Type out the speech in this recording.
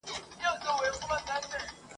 سبا اختر دی موري زه نوې بګړۍ نه لرم !.